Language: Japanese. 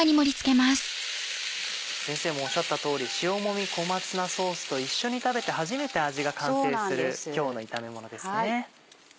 先生もおっしゃった通り塩もみ小松菜ソースと一緒に食べて初めて味が完成する今日の炒めものですね。